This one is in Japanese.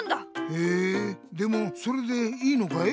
へえでもそれでいいのかい？